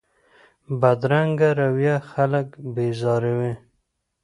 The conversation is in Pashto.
بدرنګه رویه خلک بېزاروي